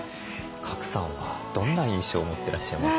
賀来さんはどんな印象を持ってらっしゃいます？